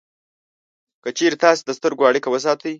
که چېرې تاسې د سترګو اړیکه وساتئ